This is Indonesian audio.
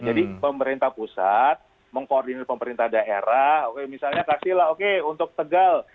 jadi pemerintah pusat mengkoordinir pemerintah daerah oke misalnya kasihlah oke untuk tegal